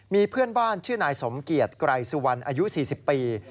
มีเพื่อนบ้านชื่อนายสมเกียจไกรสุวรรณอายุ๔๐ปี